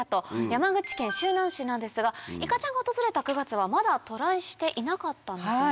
山口県周南市なんですがいかちゃんが訪れた９月はまだ渡来していなかったんですよね。